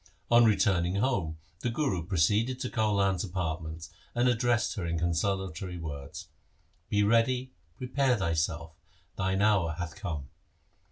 On returning home the Guru proceeded to Kaulan's apartments and addressed her consolatory words. 'Be ready, prepare thyself, thine hour hath come.